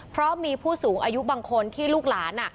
เพราะมีผู้สูงอายุบางคนที่ลูกหลาน